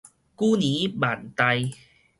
久年萬代